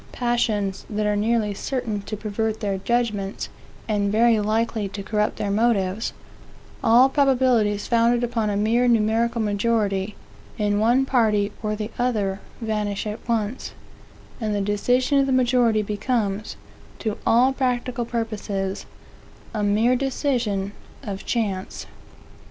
passions that are nearly certain to pervert their judgments, and very likely to corrupt their motives, all probabilities founded upon a mere numerical majority, in one party, or the other, vanish at once; and the decision of the majority becomes, to all practical purposes, a mere decision of chance.